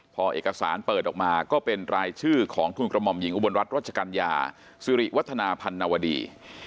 พอเอกสารเปิดออกมาก็เป็นรายชื่อของทุนกระหม่อมหญิงอุบลรัฐรัชกัญญาสิริวัฒนาพันนวดี